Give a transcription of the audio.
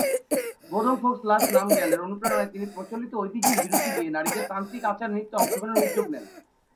বো-দোং-ফ্যোগ্স-লাস-র্নাম-র্গ্যালের অনুপ্রেরণায় তিনি প্রচলিত ঐতিহ্যের বিরুদ্ধে গিয়ে নারীদের তান্ত্রিক আচার নৃত্যে অংশগ্রহণের উদ্যোগ নেন।